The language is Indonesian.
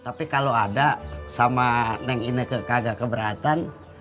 tapi kalo ada sama neng ini ke kagak keberatan